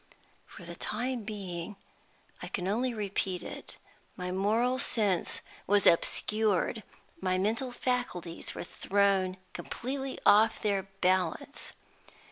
For the time being I can only repeat it, my moral sense was obscured, my mental faculties were thrown completely off their balance.